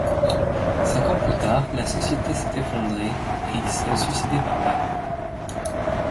Cinq ans plus tard, la Société s’est effondrée et il s’est suicidé par balle.